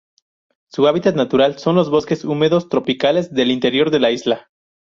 Su hábitat natural son los bosques húmedos tropicales del interior de la isla.